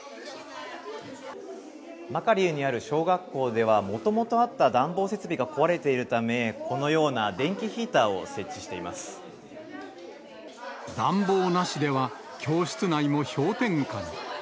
マカリウにある小学校では、もともとあった暖房設備が壊れているため、このような電気ヒータ暖房なしでは教室内も氷点下に。